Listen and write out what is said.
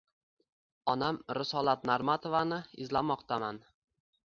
Onam Risolat Normatovani izlamoqdaman.